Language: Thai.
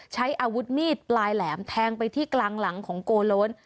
ใช้อาวุธมีดปลายแหลมแทงไปที่กลางหลังของโกโล้น